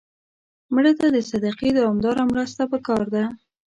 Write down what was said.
مړه ته د صدقې دوامداره مرسته پکار ده